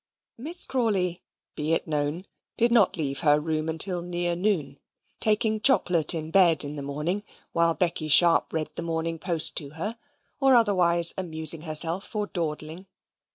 Miss Crawley, be it known, did not leave her room until near noon taking chocolate in bed in the morning, while Becky Sharp read the Morning Post to her, or otherwise amusing herself or dawdling.